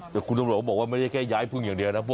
แต่คุณตำรวจก็บอกว่าไม่ได้แค่ย้ายพึ่งอย่างเดียวนะ